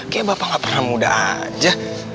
kayaknya bapak gak pernah muda aja